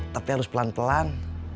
tapi harus pelan pelan